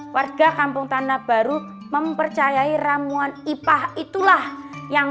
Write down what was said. warga kampung tanda baru mempercayai rambuan ipah itulah yang